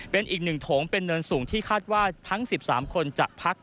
เป็นอีกหนึ่งโถงเป็นเนินสูงที่คาดว่าทั้ง๑๓คนจะพัก